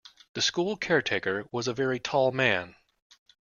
The school caretaker was a very tall man